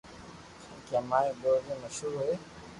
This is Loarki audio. ڪي امري ٻولو مݾھور ھي